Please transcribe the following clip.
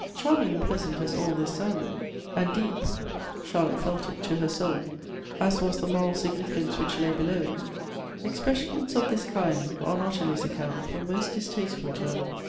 Charming and pleasant as all this sounded, and deep (Charlotte felt it to her soul) as was the moral significance which lay below it, expressions of this kind, on Ottilie's account, were most distastefiil to her.